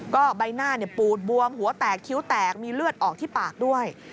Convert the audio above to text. ก็ใบหน้าปูดบวมหัวแตกคิ้วแตกมีเลือดออกที่ปากด้วย